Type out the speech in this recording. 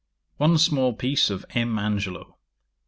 One small piece of M. Angelo.